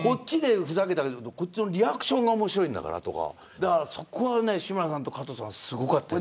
こっちのリアクションが面白いんだからとかそこは志村さんと加藤さんすごかった。